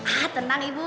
ah tenang ibu